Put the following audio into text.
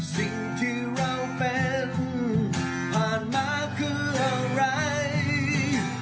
สิ่งที่เราเป็นผ่านมาคืออะไร